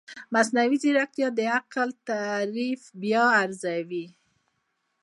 مصنوعي ځیرکتیا د عقل تعریف بیا ارزوي.